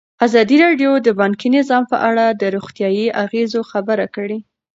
ازادي راډیو د بانکي نظام په اړه د روغتیایي اغېزو خبره کړې.